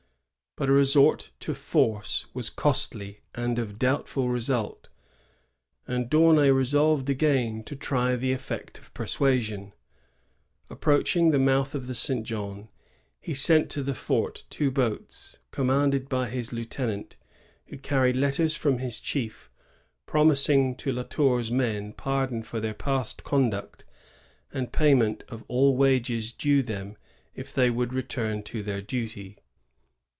But a resort to force was costly and of doubt ful result, and D'Aunay resolved again to tiy the effect of peisuasion. Approaching the mouth of the St. John, he sent to the fort two boats, commanded by his lieutenant, who carried letters from his chief, 1645.] AK ENRAGED AMAZON. 87 promising to La Tour's men pardon for their pasi conduct and payment of all wages due them if they would return to their duty.